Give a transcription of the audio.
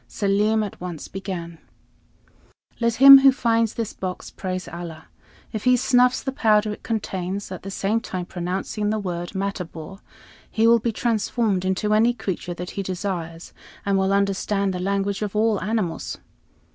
Selim at once began: "Let him who finds this box praise Allah. If he snuffs the powder it contains, at the same time pronouncing the word 'Matabor,' he will be transformed into any creature that he desires, and will understand the language of all animals.